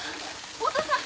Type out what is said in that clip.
お父さん！